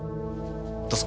どうぞ。